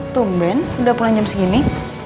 tumben udah pulang jam segini